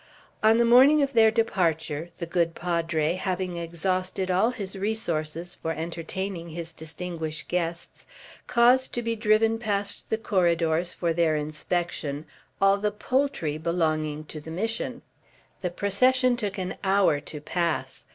On the morning of their departure, the good Padre, having exhausted all his resources for entertaining his distinguished guests, caused to be driven past the corridors, for their inspection, all the poultry belonging to the Mission. The procession took an hour to pass.